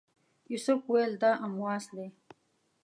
یوسف ویل دا امواس دی.